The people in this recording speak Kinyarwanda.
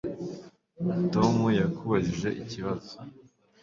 Tom yakubajije ikibazo